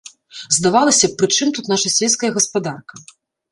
Здавалася б, прычым тут наша сельская гаспадарка.